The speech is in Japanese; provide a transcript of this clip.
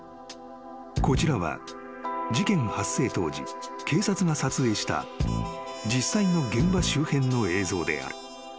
［こちらは事件発生当時警察が撮影した実際の現場周辺の映像である］